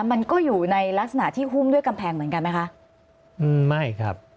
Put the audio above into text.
มันก็อยู่ในลักษณะที่หุ้มด้วยกำแพงเหมือนกันไหมคะอืมไม่ครับ